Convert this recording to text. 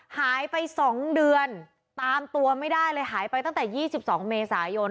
หายไป๒เดือนตามตัวไม่ได้เลยหายไปตั้งแต่๒๒เมษายน